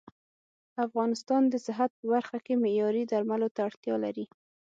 افغانستان د صحت په برخه کې معياري درملو ته اړتيا لري